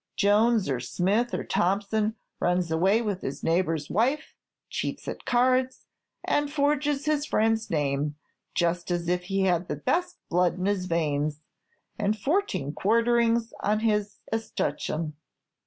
Jones, or Smith, or Thompson runs away with his neighbor's wife, cheats at cards, and forges his friend's name, just as if he had the best blood in his veins, and fourteen quarterings on his escutcheon.